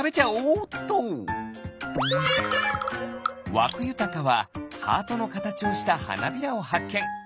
わくゆたかはハートのかたちをしたはなびらをはっけん。